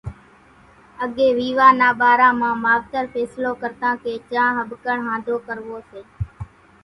اڳيَ ويوا نا ٻارا مان ماوتر ڦينصلو ڪرتان ڪي چان ۿٻڪڻ ۿانڌو ڪروو سي۔